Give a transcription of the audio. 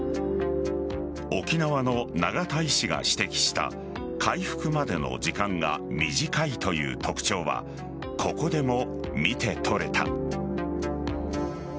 沖縄の永田医師が指摘した回復までの時間が短いという特徴はここでも見て取れた。